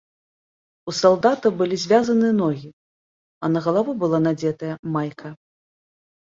У салдата былі звязаны ногі, а на галаву была надзетая майка.